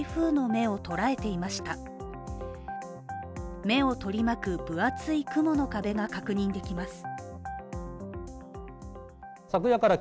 目を取り巻く、分厚い雲の壁が確認できます。